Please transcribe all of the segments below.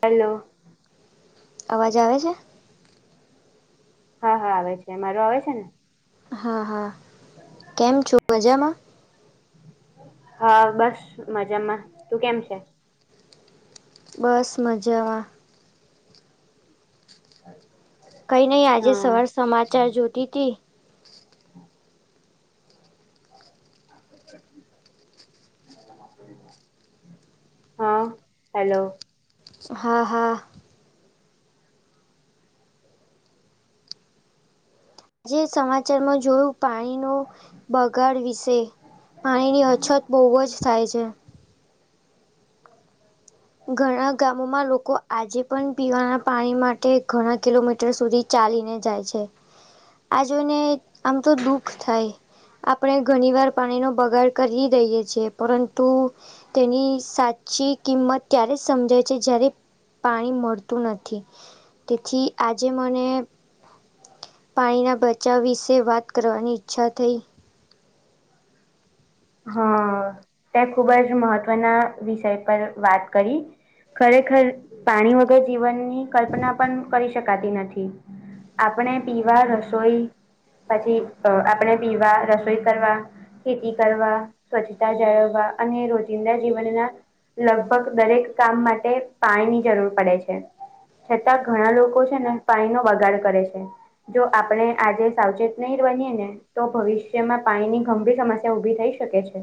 Hello અવાજ આવે છે. હા હા આવે છે મારું આવે છેને. હા હા કેમ છો મજામા હા બસ મજામાં તું કેમ છે. બસ મજામાં હા કઈ નહી આજે સવાર સમાચાર જોતી હતી. હમ્મ હા હેલો હા હા આજે સમાચારમાં જોયુ, પાણીનો બગાડ વિશે પાણીની અછત બહુ જ થાય છે. ઘણા ગામોમાં લોકો આજે પણ પીવાના પાણી માટે ઘણા કિલોમીટર મર સુધી ચાલીને જાય છે આ જોને આમ તો દુઃખ થાય આપણે ઘણી વાર પાણી નો બગાડ કરી રહીએ છ છે, પરંતુ તેની સાચી કિંમત ત્યારે સમજાય છે જારે પાણી મળતું નથી. તેથી આજે મને પાણીના બચાવ વિશે વાત કરવાની ઈચ્છા થઈ. હા તે ખુબ જ મહત્વના વિષય પર વાત કરી ખરેખર પાણી વગર જીવનની કલ્પના પણ કરી શકાતી નથી. આપણે પીવા રસોઈ પછી અ આપણે પીવા રસોઈ કરવા ખેતી કરવા સ્વચ્છતા જાળવવા અને રોજિંદા જીવનના લગભગ દરેક કામ માટે પાણીની જરૂર પડે છે. છતાં ઘણા લોકો છે ને પાણી નો બગાડ કરે છે. જો આપણે આજે સાવચેત નહી બનીએ ને તો ભવિષ્યમાં પાણીની ગંભીર સમ ત્યાં ઉભી થઈ શકે છે.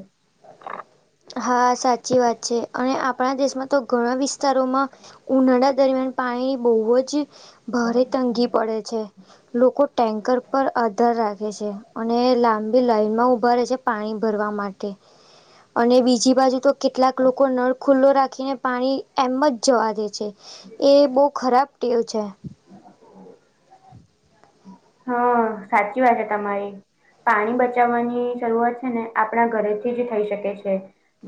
હા સાચી વાત છે અને આપણા દેશમાં તો ઘણા વિસ્તારોમાં ઉનાળા દરમિયાન પાણી બઉ જ ભારે તંગી પડે છે લોકો ટેન્કર પર આધાર રાખે છે. અને લાંબી લાઈનમાં ઉભા રહે છે પાણી ભરવા માટે અને બીજી બાજુ તો કેટલાક લોકો નળ ખુલ્લો રાખીને પાણી એમ્મજ જ જવા દે છે. એ બહુ ખરાબ ટેવ છે. [inaudible] હા સાચી વાત છે તમારી પાણી બચાવવાની શરૂઆત છે ને આપણા ઘરેથી જ થઈ શકે છે.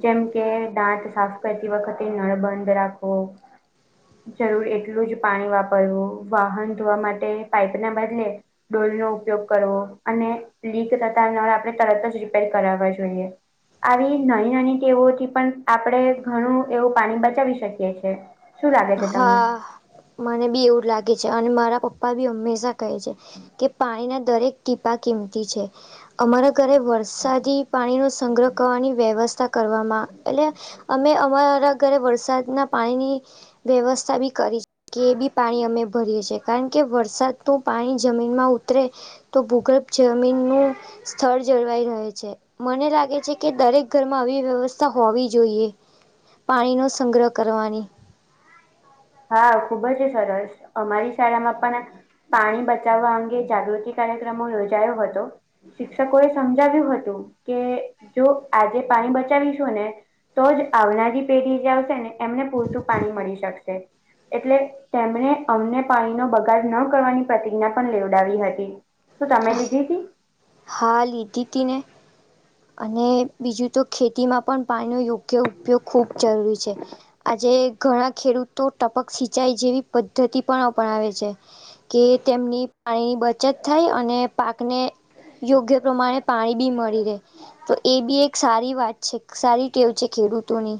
જેમ કે દાંત સાફ કરતી વખતે નળ બંધ રાખવો જરૂર એટલું જ પાણી વાપરવું વાહન ધોવા માટે પાઈપ ના બદલે ડોલનો ઉપયોગ કરવો અને લીક થતા નળ આપણે તરત જ રિપેર કરાવવા જોઈએ આવી નાની નાની ટેવોથી પણ આપડે ઘણું એવું પાણી બચાવી શકીએ છે. શું લાગે તમને હા મને બી એવું જ લાગે છે અને મારા પપ્પા બી હંમેશા કહે છે. કે પાણીના દરેક ટીપા કિંમતી છે. અમારા ઘરે વરસાદી પાણીનો સંગ્રહ કરવાની વ્યવસ્થા કરવામાં એટલે અમે અમારા ઘરે વરસાદ ના પાણીની વ્યવસ્થા બી કરી છે. કે એ બી પાણી અમે ભરીએ છીએ કારણ કે વરસાદનું પાણી જમીનમાં ઉતરે તો ભૂગર્ભ જમીનનું સ્થળ જળવાઈ રહે છે. મને લાગે છે કે દરેક ઘરમાં આવી વ્યવસ્થા હોવી જોઈએ પાણીનો સંગ્રહ કરવાની હા ખુબ જ સરસ અમારી શાળામાં પણ પાણી બચાવવા અંગે જાગૃતિ કાર્યક્રમો યોજાયો હતો. શિક્ષકો એ સમજાવ્યું હતું કે જો આજે પાણી બચાવીશું ને તો જ આવનારી પેઢી જે આવશે ને એમને પૂરતું પાણી મળી શકશે એટલે તેમણે અમને પાણીનો બગાડ ન કરવાની પ્રતિજ્ઞા પણ લેવડાવી હતી. શું તમે લીધી તી હા લીધી તીને અને બીજું તો ખેતીમાં પણ પાણીનો યોગ કે ઉપયોગ ખૂબ જરૂરી છે આજે ઘણા ખેડૂતો ટપક સિચાઈ જેવી પદ્ધતિ પણ અપનાવે છે. કે તેમની પાણીની બચત થાય અને પાકને યોગ્ય પ્રમાણે પાણી બી મળી રહે તો એ બી એક સારી વાત છે સારી ટેવ છે ખેડૂતોની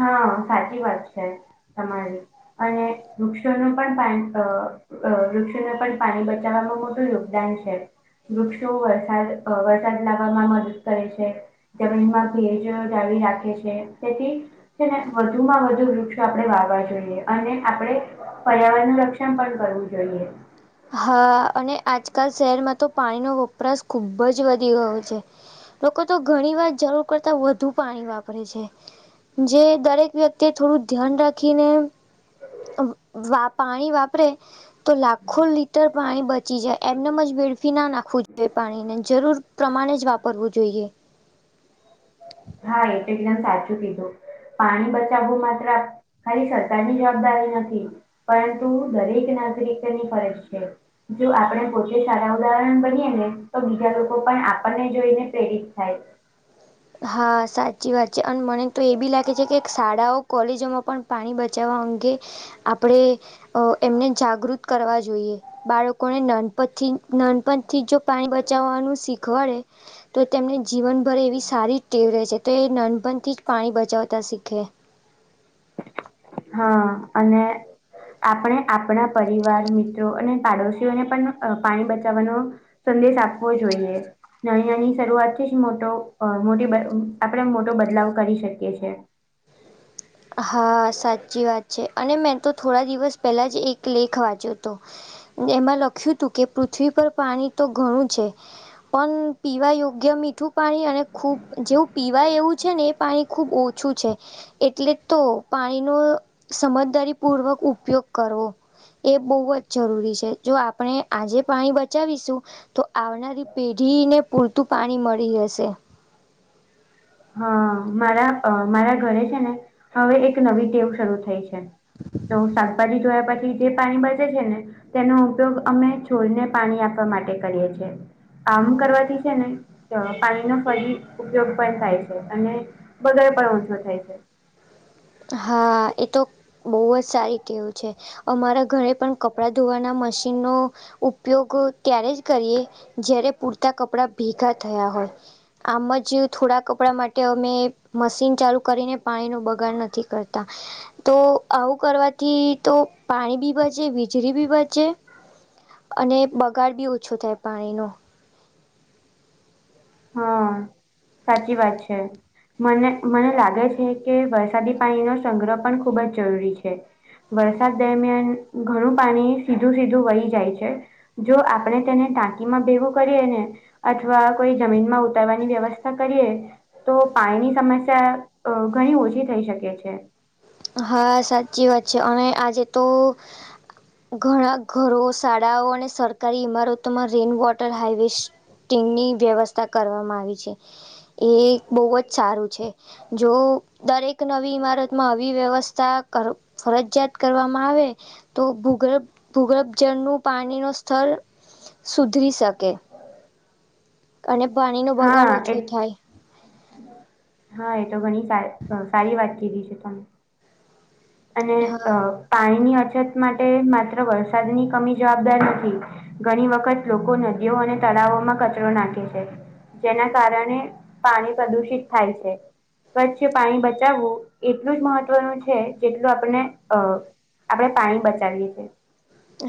હા સાચી વાત છે તમારી અને વૃક્ષોનું પણ ટાઇમસર અ વૃક્ષોને પણ પાણી બચાવવામાં મોટું યોગદાન છે. વૃક્ષો વરસાદ અ વરસાદ લાવવામાં મદદ કરે છે. જમીનમાં ભેજ જાળવી રાખે છે તેથી છે ને વધુમાં વધુ વૃક્ષ આપડે વાવા જોઈએ અને આપડે પર્યાવરણ નું રક્ષણ પણ કરવું જોઈએ. હા અને આજકાલ શહેરમાં તો પાણીનો વપરાશ ખૂબ્બજ જ વધી ગયો છે. લોકો તો ઘણી વાર જરૂર કરતા વધુ પાણી વાપરે છે. જે દરેક વ્યક્તિ એ થોડું ધ્યાન રાખીને વા પાણી વાપરે તો લ ખો લીટર પાણી બચી જાય એમનેમ જ વેડફી ના નાખવું જોઈએ પાણીને જરૂર પ્રમાણે જ વાપરવું જોઈએ. હા એ તો એકદમ સાચું કીધું. પાણી બચાવવું માત્ર ખાલી સરકારની જવાબદારી નથી. પરંતુ દરેક નાગરિક તેની ફરજ છે. જો આપણે પોતે સારા ઉદાહરણ બનીયે ને તો બીજા લોકો પણ આપણને જોઈને પ્રેરિત થાય. હા સાચી વાત છે અને મને તો એ બી લાગે છે કે શાળાઓ કોલેજોમાં પણ પાણી બચાવવા અંગે આપણેે એમને જાગૃત કરવા જોઈએ. બાળકોને નાનપતથી નાનપણ થી જો પાણી બચાવવાનું શીખવાડે તો તેમને જીવનભર એવી રહેશે તો એ નાનપણ થી જ પાણી બચાવતા શીખે. હા અને આપણે આપણા પરિવાર મિત્રો અને પાડોશીઓને પણ પાણી બચાવવાનું સંદેશ આપવો જોઈએ ના નાની શરૂઆતથી જ મોટો મોટી આપણે મોટો બદલાવ કરી શકીએ છે. હા સાચી વાત છે અને મેં તો થોડા દિવસ પહેલા જ એક લેખ વાંચ્યો હતો. એમાં લખ્યું હતું કે પૃથ્વી પર પાણી તો ઘણું છે. પણ પીવા યોગ્ય મીઠું પાણી અને ખૂબ જેવું પીવા એવું છે ને એ પાણી ખૂબ ઓછું છે એ એટલે તો પાણીનો સમજદારી પૂર્વક ઉપયોગ કરવો એ બહુ જ જરૂરી છે જો આપણે આજે પાણી બચાવીશું તો આવનારી પેઢીને પૂરતું પાણી મળી હશે. હા મારા મારા ઘરે છે ને હવે એક નવી ટેવ શરૂ થઈ છે. તો શાકભાજી ધોયા પછી જે પાણી બચે છે ને તેનો ઉપયોગ અમે છોડને પાણી આપવા માટે કરીએ છીએ. આમ કરવાથી છે ને પાણીનો ફરી ઉપયોગ પણ થાય છે. અને બગાડ પણ ઓછો થાય છે. હા એ તો બહુ જ સારી ટેવ છે અમારા ઘરે પણ કપડાં ધોવાના મશીનનો ઉપ યોગ ત્યારે જ કરીએ જ્યારે પૂરતા કપડા ભેગા થયા હોય. આમ જ થોડા કપડાં માટે અમે મશીન ચાલુ કરીને પાણીનો બગાડ ન થી કરતા. તો આવું કરવાથી તો પાણી બી બચે વીજળી બી બચે અને બગાડ બી ઓછો થાય પાણીનો. હા સાચી વાત છે. મને મને લાગે છે કે વરસાદી પાણીનો સંગ્રહ પણ ખૂબ જ જરૂરી છે. વરસાદ દરમિયાન ઘણું પાણી સીધું સીધું વળી જાય છે. જો આપણે તેને ટાંકીમાં ભેગુ કરીએ ને અથવા કોઈ જમીન માં ઉતારવાની વ્યવસ્થા કરીએ તો પાણીની સમસ્યા ઘણી ઓછી થઈ શકે છે. હા સાચી વાત છે અને આજે તો ઘણા ઘરો શાળાઓ અને સરકારી ઈમારતોમાં રેઇન વોટર હાર્વેસ્ટ ટીનની વ્યવસ્થા કરવામાં આવી છે. એ બહુ જ સારું છે જો દરેક નવી ઈમારતમાં આ વિ વ્યવસ્થા કરવી ફરજિયાત કરવામાં આવે તો ભૂગર્ભ ભૂગર્ભ જળનું પાણી નો સ્તર સુધરી શકે. અને પાણી નો બગાડ હા ઓછો એ થાય. હા એ તો ઘણી સા સારી વાત કીધી છે તમે અને હા. પાણીની અછત માટે માત્ર વરસાદની કમી જવાબદાર નથી. ઘણી વખત લોકો નદીઓ અને તળાવો માં કચરો નાખે છે. જેના કારણે પાણી પ્રદુષિત થાય છે. સ્વચ્છ પાણી બચાવવું એટલું જ મહત્વનું છે. જેટલું આપને અ આપણે પાણી બચાવીએ છીએ.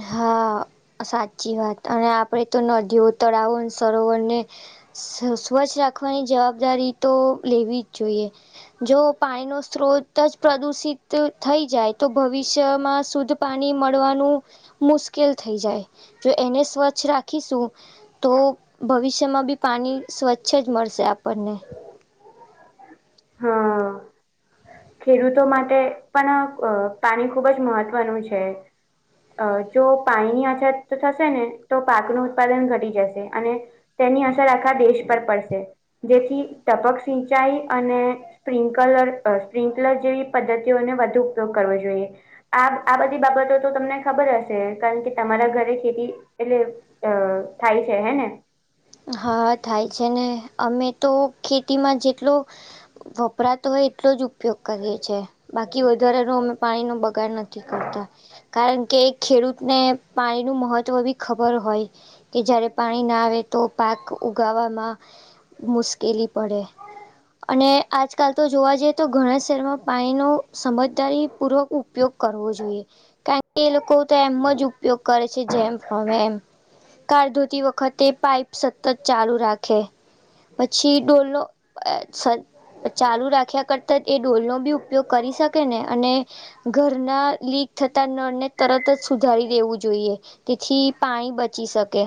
હા સાચી વાત અને આપડે તો નદી ઉતર આવું સરોવર ને સ્વચ્છ રાખવાની જવાબદારી તો લેવી જ જોઈએ જો પાણીનો સ્ત્રોત જ પ્રદુષિત થઈ જાય તો ભવિષ્યમાં શુદ્ધ પાણી મળવાનું મુશ્કેલ થઈ જાય જો એને સ્વચ્છ રાખી રાખીશું તો ભવિષ્યમાં બી પાણી સ્વચ્છ જ મળશે આપણને હા. ખેડૂતો માટે પણ પાણી ખુબ જ મહત્વનું છે. અ જો પાણીની અછત થશે ને તો પાકનું ઉત્પાદન ઘટી જશે અને તેની અસર આખવા દેશ પર પડશે જેથી ટપક સિંચાઈ અને સ્પ્રિન્કલર સ્પ્રિન્કલર જેવી પદ્ધતિઓને વધુ ઉપયોગ કરવો જોઈએ. આ આ બધી બાબતો તો તમને ખબર હશે કારણ કે તમારા ઘરે ખેતી એટલે અ થાય છે હે ને. હા થાય છે ને અમે તો ખેતીમાં જેટલો. વપરાતો હોય એટલો જ ઉપ ઉપયોગ કરીએ છીએ બાકી વધારનો અમે પાણીનો બગાડ નથી કરતા કારણ કે એક. ખેડૂતને પાણીનું મહત્ત્વ બી ખબર હોય કે જ્યારે પાણી ના આવે તો પાક ઉગાવામાં મુશ્કેલી પડે અને આજકાલ તો જોવા જઈએ તો ઘણા શહેરમાં પાણીનો સમજદારી પૂર્વક ઉપ. ઉપયોગ કરવો જોઈએ કારણ કે એ લોકો તો એમ જ ઉપયોગ કરે છે જેમ હવે એમ કાળ ધોતી વખતે પાઈપ સતત ચાલુ રાખે પછી ડોલો ચાલુ રાખ્યા કરતા એ ડોલનોો બી ઉપયોગ કરી શકે ને અને ઘર ના લીક થતા નળને તરત જ સુધારી દેવું જોઈએ. તેથી પાણી બચી શકે.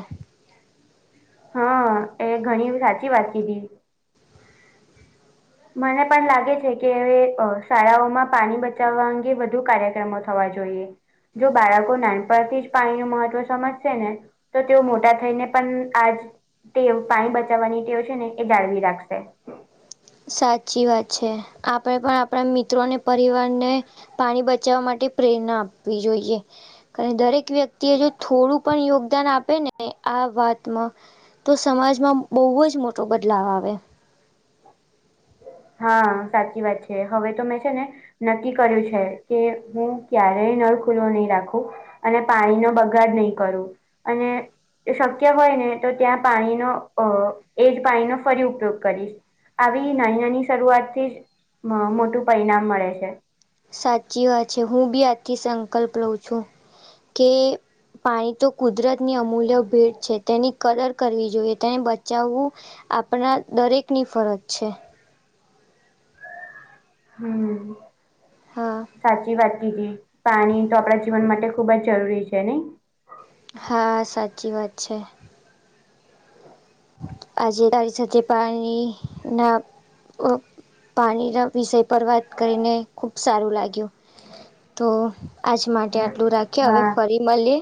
હા એ ઘણી સાચી વાત કીધી. મને પણ લાગે છે કે શાળાઓમાં પાણી બચાવવા અંગે વધુ કાર્યક્રમો થવા જોઈએ. જો બાળકો નાનપણથી જ પાણી ન મહત્વ સમજશે ને. તો તેઓ મોટા થઈને પણ આજ. તે પાણી બચાવવાની ટેઓ છે ને એ જાળવી રાખશે. સાચી વાત છે આપણે પણ આપણા મિત્રોને પરિવારને. પાણી બચાવવા માટે પ્રેરણા આપવી જોઈએ. કાર દરેક વ્યક્તિ એ જો થોડું પણ યોગદાન આપે ને આ વાતમાં તો સમાજમાં બહુ જ મોટો બદલાવ આવે [inaudible] હા સાચી વાત છે હવે તો મેં છે ને. નક્કી કર્યું છે કે હું ક્યારેય નળ ખુલ્લો નહી રાખું. અને પાણી નો બગાડ નહી કરું અને તે શક્ય હોય ને તો ત્યાં પાણીનો અ એજ પાણીનો ફરી ઉપયોગ કરીશ. આવી નાનાની શરૂઆતથી જ મોટું પરિણામ મળે છે. સાચી વાત છે હું બી આથી સંકલ્પ લઉં છું. કે પાણી તો કુદરતની અમૂલ્ય ભીડ છે તેની. કદર કરવી જોઈએ તેમ બચાવવું આપણા દરેકની ફરજ છે. હમ હા. સાચી વાત કીધી પાણી તો આપડા જીવન માટે ખુબ જ જરૂરી છે નઈ? હા સાચી વાત છે. આજે તારી સાથે પાણી ના પ પાણીના વિષય પર વાત કરીને ખુબ સારું લાગ્યું. તો આજ માટે હા આટલું રાખીએ હવે હા ફરી મળીયે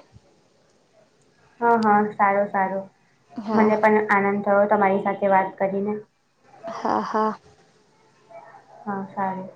હા હા સારું સારું હા મને પણ આનંદ થયો તમારી સાથે વાત કરીને. હા હા હા સારી